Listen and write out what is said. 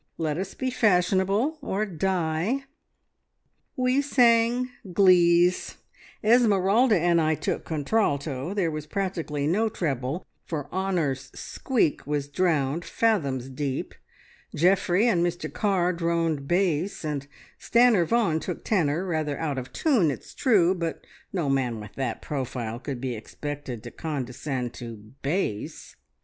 Let us be fashionable or die!) "We sang glees. Esmeralda and I took contralto; there was practically no treble, for Honor's squeak was drowned fathoms deep; Geoffrey and Mr Carr droned bass, and Stanor Vaughan took tenor, rather out of tune it's true, but no man with that profile could be expected to condescend to bass!